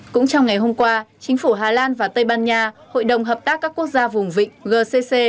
cũng trong ngày hôm qua chính phủ hà lan và tây ban nha hội đồng hợp tác các quốc gia vùng vịnh gcc